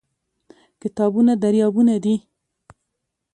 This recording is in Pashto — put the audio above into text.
کتابونه دریابونه دي.